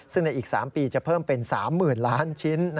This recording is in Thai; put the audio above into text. ซึ่งในอีก๓ปีจะเพิ่มเป็น๓๐๐๐ล้านชิ้น